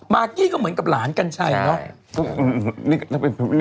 มากี้ก็เหมือนกับหลานกันใช่ไหม